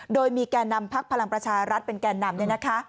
โดยมีแก่นนำภักดิ์พลังประชารัฐเป็นแก่นนำ